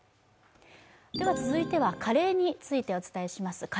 では続いては、カレーについてお伝えします。